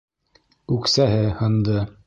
Үксәһе һынды